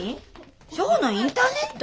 「初歩のインターネット」？